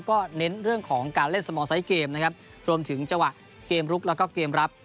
ก็เน้นเรื่องของการเล่นสมองไซส์เกมนะครับรวมถึงจังหวะเกมลุกแล้วก็เกมรับ